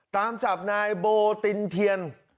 ตามจับนายโบตินเทียน